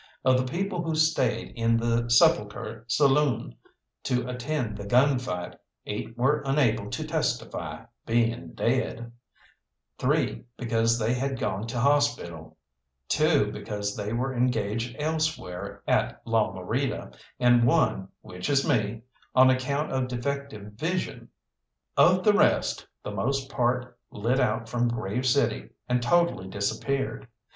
Of the people who stayed in the "Sepulchre" saloon to attend the gun fight, eight were unable to testify, being dead, three because they had gone to hospital, two because they were engaged elsewhere at La Morita, and one, which is me, on account of defective vision. Of the rest, the most part lit out from Grave City, and totally disappeared.